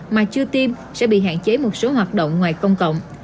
mà chưa tiêm sẽ bị hạn chế một số hoạt động ngoài công cộng